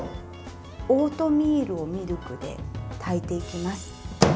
オートミールをミルクで炊いていきます。